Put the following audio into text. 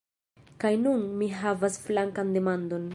Kaj nun mi havas flankan demandon.